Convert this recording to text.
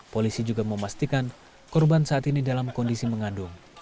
polisi juga memastikan korban saat ini dalam kondisi mengandung